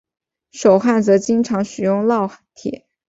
手焊则经常使用烙铁。